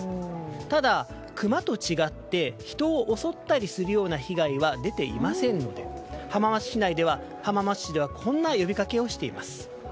ただ、クマと違って人を襲ったりするような被害は出ていませんので、浜松市ではこんな呼びかけをしています。